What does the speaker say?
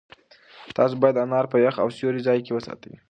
تاسو باید انار په یخ او سیوري ځای کې وساتئ.